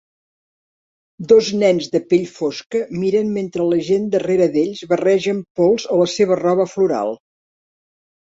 Dos nens de pell fosca miren mentre la gent darrera d'ells barregen pols a la seva roba floral.